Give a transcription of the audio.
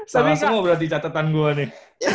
salah semua berarti catetan gue nih